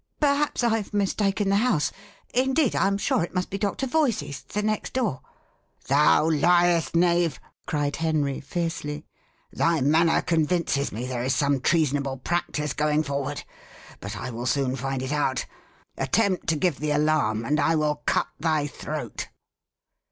"Perhaps I have mistaken the house. Indeed, I am sure it must be Doctor Voysey's, the next door." "Thou liest, knave!" cried Henry fiercely; "thy manner convinces me there is some treasonable practice going forward. But I will soon find it out. Attempt to give the alarm, and I will cut thy throat."